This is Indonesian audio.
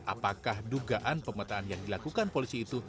apakah dugaan pemetaan yang dilakukan polisi itu